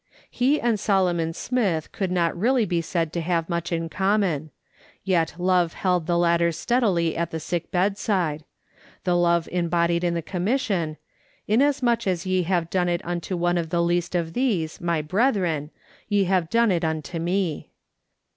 He and Solomon Smith could not really be said to have much in common ; yet love held the latter steadily at the sick bedside — the love embodied in the commission :" Inasmuch as ye have done it unto one of the least of these, my brethren, ye have done it unto me."